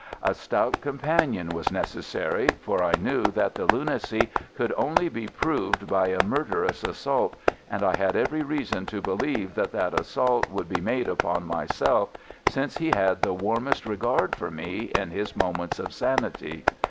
A stout companion was necessary, for I knew that the lunacy could only be proved by a murderous assault, and I had every reason to believe that that assault would be made upon myself, since he had the warmest regard for me in his moments of sanity.